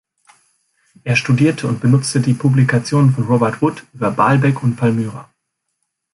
Er studierte und benutzte die Publikationen von Robert Wood über Baalbek und Palmyra.